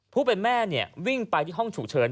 ผู้เป็นแม่วิ่งไปที่ห้องฉุกเฉิน